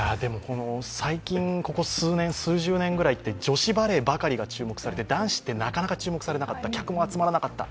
最近、ここ数年、数十年ぐらいって女子バレーばかりが注目されて男子ってなかなか注目されなかった、客も集まらなかった。